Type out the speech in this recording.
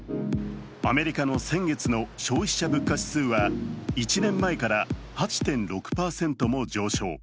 アメリカの先月の消費者物価指数は１年前から８．６％も上昇。